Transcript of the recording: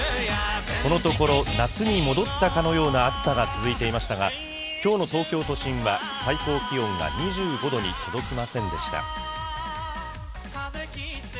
このところ、夏に戻ったかのような暑さ続いていましたが、きょうの東京都心は最高気温が２５度に届きませんでした。